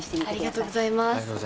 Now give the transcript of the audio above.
ありがとうございます。